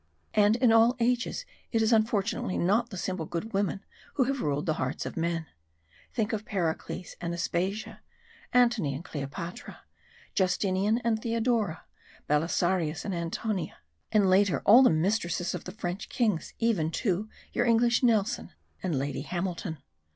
And in all ages it is unfortunately not the simple good women who have ruled the hearts of men. Think of Pericles and Aspasia Antony and Cleopatra Justinian and Theodora Belisarius and Antonina and later, all the mistresses of the French kings even, too, your English Nelson and Lady Hamilton!